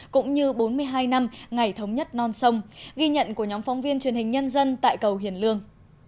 cũng như bốn mươi hai năm ngày thống nhất non sông ghi nhận của nhóm phóng viên truyền hình nhân dân tại cầu hiền lương